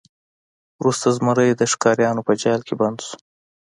وروسته زمری د ښکاریانو په جال کې بند شو.